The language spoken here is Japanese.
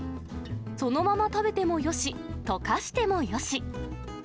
そのまま食べてもよし、溶かしてもよし。